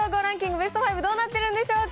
ベスト５、どうなってるんでしょうか。